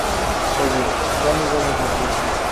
oye, dan igual los motivos